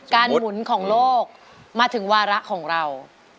หมุนของโลกมาถึงวาระของเรา